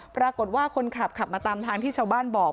ปรากฏว่าคนขับขับมาตามทางที่ชาวบ้านบอก